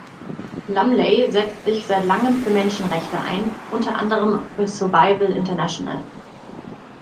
Lumley setzt sich seit langem für Menschenrechte ein, unter anderem für Survival International.